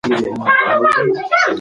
فلمونه نندارې ته کېښودل کېدل.